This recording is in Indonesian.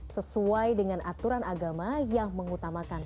sesuai dengan aturan agama yang mengutamakan